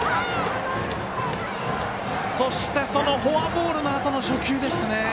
そして、フォアボールのあとの初球でしたね。